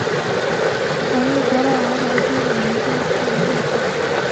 反应佛道融合之民间信仰特色。